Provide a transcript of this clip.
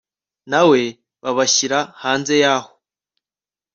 na we babashyira hanze yaho